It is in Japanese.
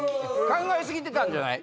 考え過ぎてたんじゃない？